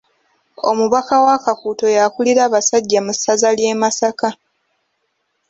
Omubaka wa Kakuuto y'akulira abasajja mu ssaza ly'e Masaka.